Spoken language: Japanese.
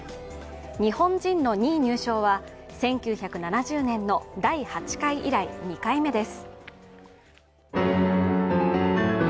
日本人の２位入賞は１９７０年の第８回以来、２回目です。